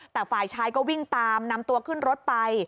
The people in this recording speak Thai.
แต่ฝ่ายชายก็วิ่งตามนำตัวขึ้นรถไป